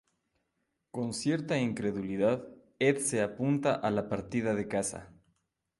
Con cierta incredulidad, Ed se apunta a la partida de caza.